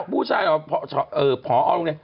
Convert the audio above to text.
ผู้ชายพอโรงเรียน